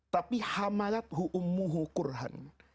tapi hamalathu ummuhu qurhan